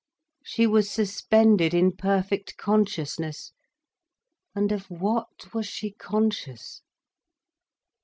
She was suspended in perfect consciousness—and of what was she conscious?